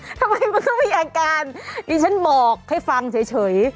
ทำไมมันต้องมีอาการดิฉันบอกให้ฟังเฉย